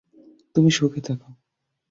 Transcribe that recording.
তুমি সুখে থেকো।